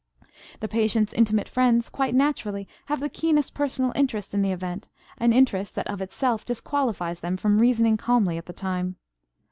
The patient's intimate friends, quite naturally, have the keenest personal interest in the event, an interest that of itself disqualifies them from reasoning calmly at the time.